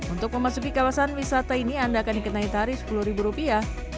untuk memasuki kawasan wisata ini anda akan dikenai tarif sepuluh ribu rupiah